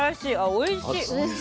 おいしい！